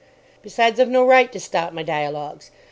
Besides, I've no right to stop my dialogues.